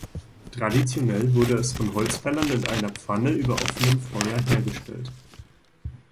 Traditionell wurde es von Holzfällern in einer Pfanne über offenem Feuer hergestellt.